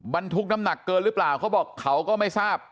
บรรทุกน้ำหนักเกินหรือเปล่าเขาบอกเขาก็ไม่ทราบ